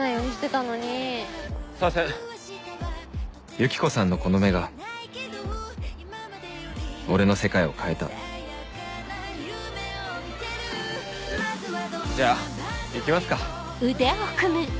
ユキコさんのこの目が俺の世界を変えたじゃあ行きますか。